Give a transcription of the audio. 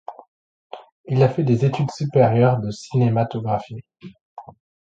Il a fait des études supérieures de cinématographie.